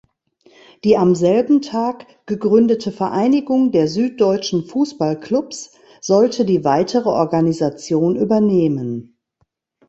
Die am selben Tag gegründete „Vereinigung der Süddeutschen Fußballklubs“ sollte die weitere Organisation übernehmen.